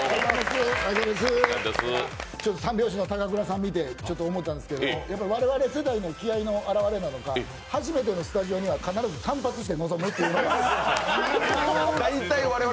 三拍子の高倉さん見て思ったんですが我々世代の気合いの表れなのか、初めてのスタジオには必ず散髪して臨むっていうのがね。